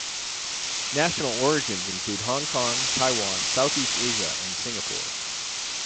National origins include Hong Kong, Taiwan, Southeast Asia, and Singapore.